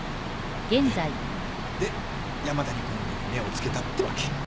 えっ？で山谷コンビに目を付けたってわけ。